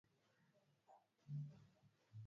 Ana uhakika kuwa alimwona simba